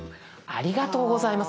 ありがとうございます。